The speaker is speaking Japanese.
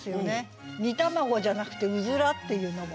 「煮卵」じゃなくて「うずら」っていうのも。